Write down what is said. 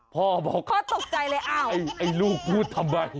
พ่อบอกพ่อตกใจเลยอ้าวไอ้ลูกพูดทำไม